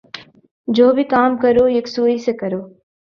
جو بھی کام کرو یکسوئی سے کرو۔